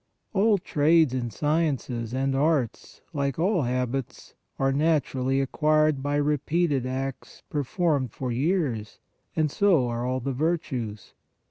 All trades and sci ences and arts, like all habits, are naturally acquired by repeated acts performed for years, and so are all the virtues.